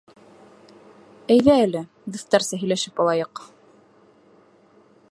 Әйҙә әле, дуҫтарса һөйләшеп алайыҡ.